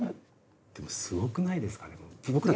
でもすごくないですかね？